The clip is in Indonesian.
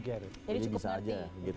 jadi cukup ngerti